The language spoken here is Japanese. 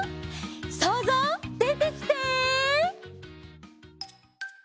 そうぞうでてきて！